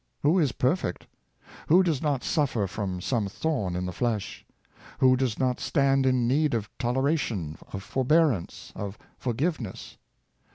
Who is perfect.^ Who does not suffer from some thorn in the flesh } Who does not stand in need of toleration, of forbearance, of forgiveness.